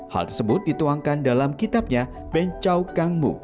hal tersebut dituangkan dalam kitabnya bencau kangmu